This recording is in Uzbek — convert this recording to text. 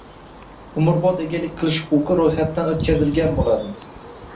Umrbod egalik qilish huquqi roʼyxatdan oʼtkazilgan boʼladi